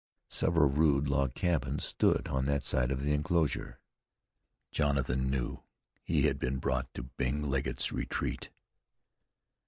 Several rude log cabins stood on that side of the enclosure. Jonathan knew he had been brought to Bing Legget's retreat.